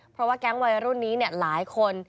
เพราะว่าแก๊งวัยรุ่นนี้หลายคน